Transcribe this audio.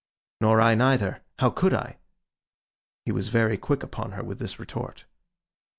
'Nor I neither. How could I?' He was very quick upon her with this retort.